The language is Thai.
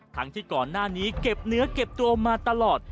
ทั้งที่ก่อนหน้านี้เก็บเนื้อเก็บตัวมาตลอด